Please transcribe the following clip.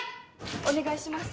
お願いします。